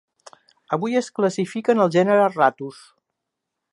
Avui es classifica en el gènere "Rattus".